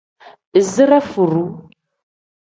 Izire furuu.